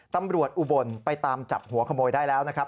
อุบลไปตามจับหัวขโมยได้แล้วนะครับ